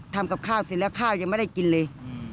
ทำกับข้าวเสร็จแล้วข้าวยังไม่ได้กินเลย